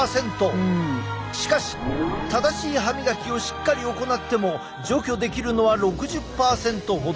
しかし正しい歯みがきをしっかり行っても除去できるのは６０％ほど。